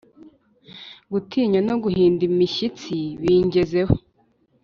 Gutinya no guhinda imishyitsi bingezeho